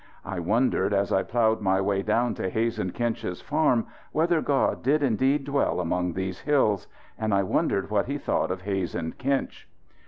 I wondered as I ploughed my way down to Hazen Kinch's farm whether God did indeed dwell among these hills; and I wondered what He thought of Hazen Kinch.